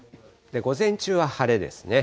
午前中は晴れですね。